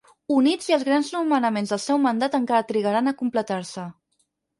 Units i els grans nomenaments del seu mandat encara trigaran a completar-se.